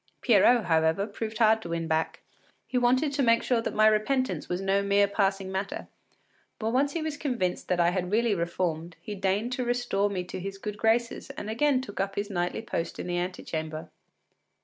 Pierrot, however, proved hard to win back; he wanted to make sure that my repentance was no mere passing matter, but once he was convinced that I had really reformed, he deigned to restore me to his good graces and again took up his nightly post in the antechamber.